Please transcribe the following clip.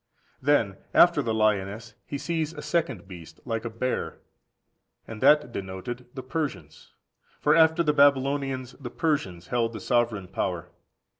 24. Then, after the lioness, he sees a "second beast like a bear," and that denoted the Persians. For after the Babylonians, the Persians held the sovereign power.